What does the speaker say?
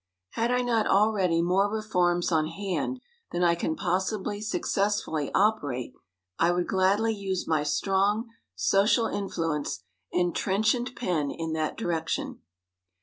Had I not already more reforms on hand than I can possibly successfully operate I would gladly use my strong social influence and trenchant pen in that direction.